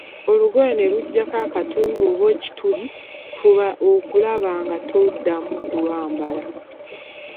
Olugoye ne lujjako akatuli oba ekituli, fuba okulaba nga toddamu kulwambala.